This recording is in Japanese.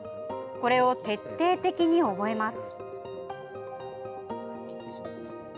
これを徹底的に覚えます。